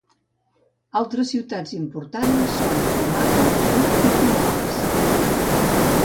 Altres ciutats importants són Tumaco i Ipiales.